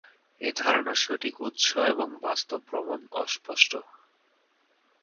এই ধারণার সঠিক উৎস এবং বাস্তব প্রমাণ অস্পষ্ট।